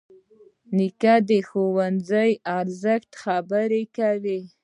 نیکه د ښوونځي د ارزښت خبرې کوي.